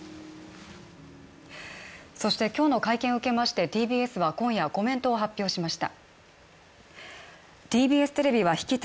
そして今日の会見を受けましてＴＢＳは今夜、コメントを発表しました。